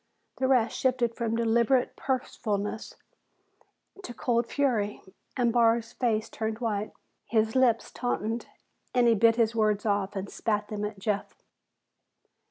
The rest shifted from deliberate purposefulness to cold fury, and Barr's face turned white. His lips tautened, and he bit his words off and spat them at Jeff.